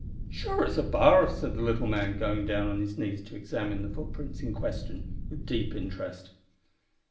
"Sure it's a bar," said the little man, going down on his knees to examine the footprints in question with deep interest.